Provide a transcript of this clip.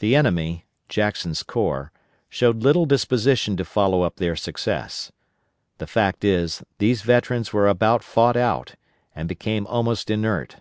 The enemy, Jackson's Corps, showed little disposition to follow up their success. The fact is, these veterans were about fought out, and became almost inert.